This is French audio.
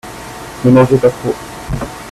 Ne mangez pas trop.